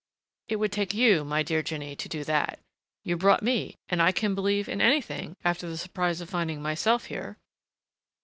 "It would take you, my dear Jinny, to do that. You brought me and I can believe in anything after the surprise of finding myself here."